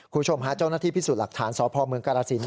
คุณผู้ชมฮะเจ้าหน้าที่พิสูจน์หลักฐานสพเมืองกรสิน